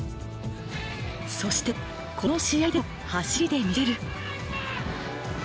そしてこの試合でも走りでみせる。